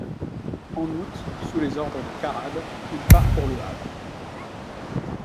En août, sous les ordres de Carrade, il part pour Le Havre.